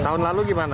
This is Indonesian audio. tahun lalu gimana